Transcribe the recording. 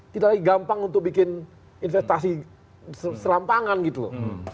tidak lagi gampang untuk bikin investasi serampangan gitu loh